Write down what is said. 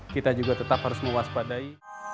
kita juga tetap harus mewaspadai